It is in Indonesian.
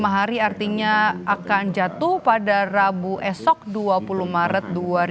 lima hari artinya akan jatuh pada rabu esok dua puluh maret dua ribu dua puluh